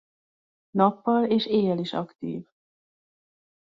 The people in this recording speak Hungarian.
Nappal és éjjel is aktív.